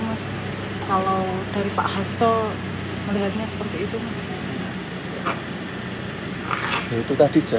mas kalau dari pak hasto melihatnya seperti itu mas